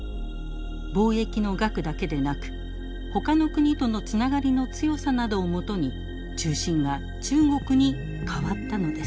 貿易の額だけでなくほかの国とのつながりの強さなどをもとに中心が中国に替わったのです。